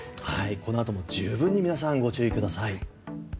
このあとも十分に皆さんご注意ください。